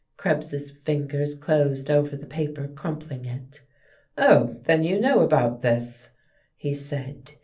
Krebs's fingers closed over the paper, crumpling it. "Oh, then, you know about this," he said.